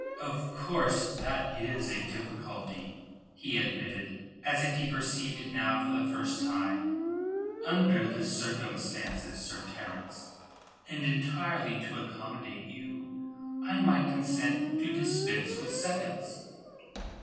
"Of course that is a difficulty," he admitted, as if he perceived it now for the first time. "Under the circumstances, Sir Terence, and entirely to accommodate you, I might consent to dispense with seconds."